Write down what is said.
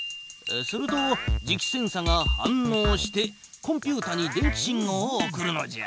すると磁気センサが反のうしてコンピュータに電気信号を送るのじゃ。